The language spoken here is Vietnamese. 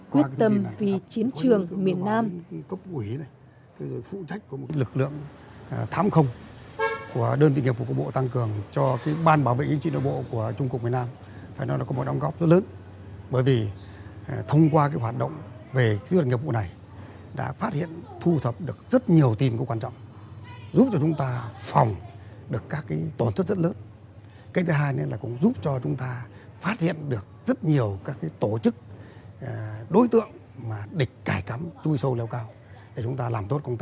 quyết tâm hoàn thành nhiệm vụ quyết tâm vì chiến trường miền nam